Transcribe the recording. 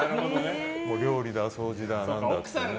料理だ、掃除だ、なんだって。